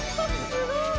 すごーい。